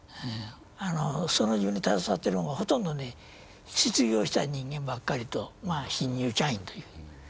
その事業に携わってるもんはほとんどね失業した人間ばっかりとまあ新入社員という。